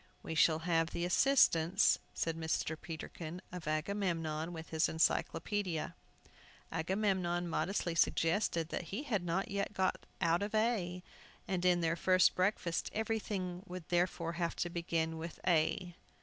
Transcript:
"We shall have the assistance," said Mr. Peterkin, "of Agamemnon, with his Encyclopædia." Agamemnon modestly suggested that he had not yet got out of A, and in their first breakfast everything would therefore have to begin with A.